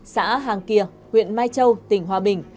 xã hang kia huyện mai châu tỉnh hòa bình